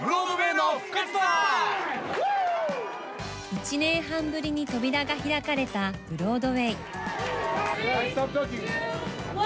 １年半ぶりに扉が開かれたブロードウェイ。